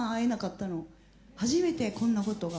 初めてこんなことが。